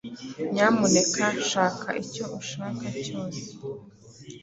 Nyamuneka shaka icyo ushaka cyose.